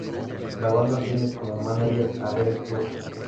La banda tiene como "manager" a Derek Turner.